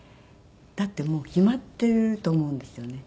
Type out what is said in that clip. だってもう決まっていると思うんですよね。